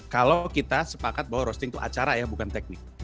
kalau kita sepakat bahwa roasting itu acara ya bukan teknik